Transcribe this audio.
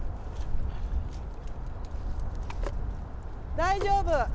大丈夫。